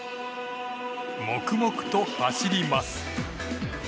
黙々と走ります。